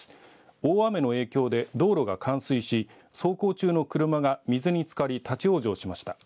大雨の影響で道路が冠水し走行中の車が水につかり立往生しました。